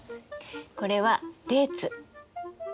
これはデーツ。